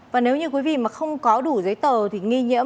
và nếu như quý vị mà không có đủ giấy tờ thì